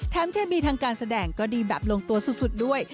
เคมีทางการแสดงก็ดีแบบลงตัวสุดด้วย